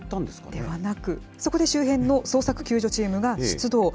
ではなく、そこで周辺の捜索救助チームが出動。